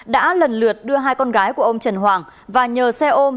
đã lần lượt đưa hai con gái của ông trần hoàng và nhờ xe ôm